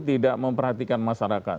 tidak memperhatikan masyarakat